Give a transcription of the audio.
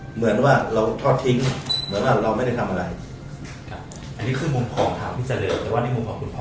เหมือนว่าเราทอดทิ้งเหมือนว่าเราไม่ได้ทำอะไร